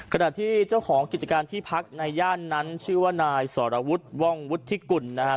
ขณะที่เจ้าของกิจการที่พักในย่านนั้นชื่อว่านายสรวุฒิว่องวุฒิกุลนะครับ